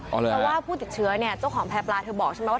เพราะว่าผู้ติดเชื้อเนี่ยเจ้าของแพร่ปลาเธอบอกใช่ไหมว่า